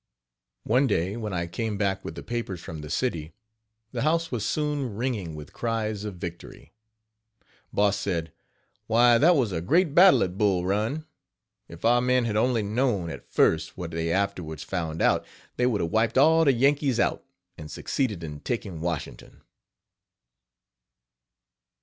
" One day when I came back with the papers from the city, the house was soon ringing with cries of victory. Boss said: "Why, that was a great battle at Bull Run. If our men had only known, at first, what they afterwards found out, they would have wiped all the Yankees out, and succeeded in taking Washington.